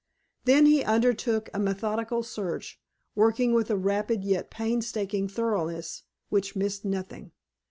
Then he undertook a methodical search, working with a rapid yet painstaking thoroughness which missed nothing.